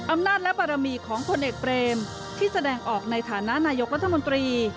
อำนาจและบารมีของผลเอกเบรมที่แสดงออกในฐานะนายกรัฐมนตรี